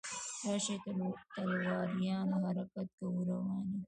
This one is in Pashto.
راشئ تلواریانو حرکت کوو روان یو.